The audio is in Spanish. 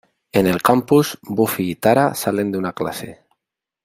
En el campus, Buffy y Tara salen de una clase.